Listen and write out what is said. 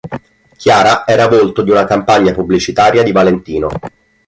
Chiara era volto di una campagna pubblicitaria di Valentino.